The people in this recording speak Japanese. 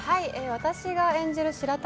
私が演じる白玉